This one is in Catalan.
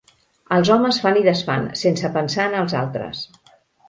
Els homes fan i desfan sense pensar en els altres.